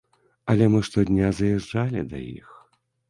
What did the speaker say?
Але мы штодня заязджалі да іх.